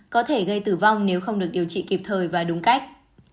có thể gây tử vong nếu không được điều trị kịp thời và đúng cách